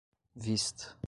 vista